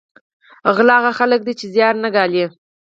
غله هغه خلک دي چې زیار نه ګالي